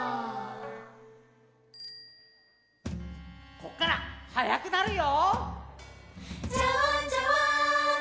こっからはやくなるよ！